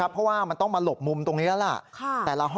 เพราะว่ามันต้องมาหลบมุมตรงนี้แล้วล่ะ